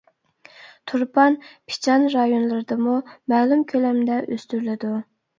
تۇرپان، پىچان رايونلىرىدىمۇ مەلۇم كۆلەمدە ئۆستۈرۈلىدۇ.